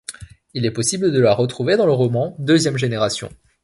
Il est possible de la retrouver dans le roman Deuxième Génération.